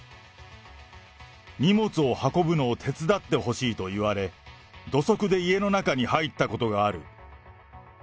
荷物を運ぶのを手伝ってほしいと言われ、土足で家の中に入ったことがある。